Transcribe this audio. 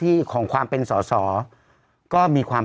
พี่ขับรถไปเจอแบบ